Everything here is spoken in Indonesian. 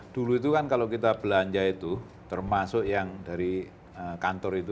dulu itu kan kalau kita belanja itu termasuk yang dari kantor itu